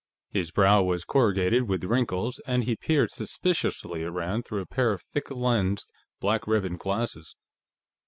His brow was corrugated with wrinkles, and he peered suspiciously at Rand through a pair of thick lensed, black ribboned glasses.